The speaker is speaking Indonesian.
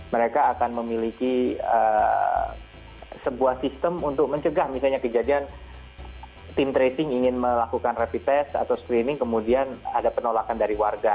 mereka akan memiliki sebuah sistem untuk mencegah misalnya kejadian tim tracing ingin melakukan rapid test atau screening kemudian ada penolakan dari warga